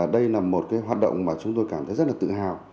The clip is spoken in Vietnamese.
đây là một hoạt động mà chúng tôi cảm thấy rất là tự hào